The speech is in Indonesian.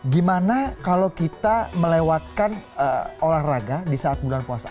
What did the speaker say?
gimana kalau kita melewatkan olahraga di saat bulan puasa